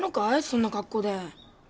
そんな格好で。